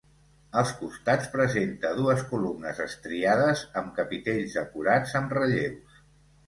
Als costats presenta dues columnes estriades amb capitells decorats amb relleus.